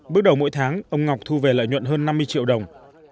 bước đầu mỗi tháng ông ngọc thu về lợi nhuận hơn năm mươi triệu đồng